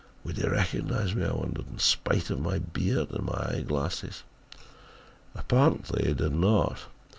Would he recognise me I wondered, in spite of my beard and my eye glasses? "Apparently he did not.